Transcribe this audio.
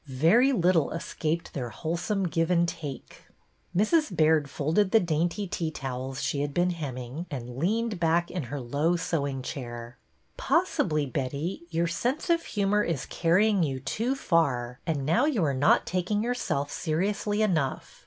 Very little escaped their wholesome give and take. Mrs. Baird folded the dainty tea towels she had been hemming, and leaned back in her low sewing chair. " Possibly, Betty, your sense of humor is carry ing you too far, and now you are not taking yourself seriously enough.